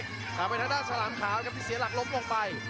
กลับไปทางด้านสลามขาวพิเศษหลักลบลงไป